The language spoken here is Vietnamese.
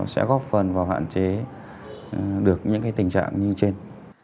sẽ góp phần vào hạn chế được những tình trạng như trên